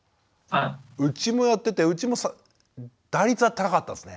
うちもやっててうちも打率は高かったですね。